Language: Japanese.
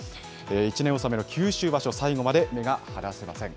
一年納めの九州場所、最後まで目が離せません。